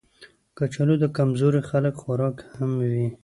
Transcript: کچالو د کمزورو خلکو خوراک هم وي